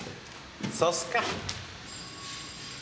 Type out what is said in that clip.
そうっすか。